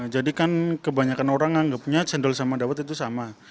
jadi kan kebanyakan orang anggapnya cendol sama daun itu sama